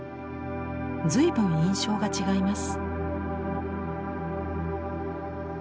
随分印象が違います。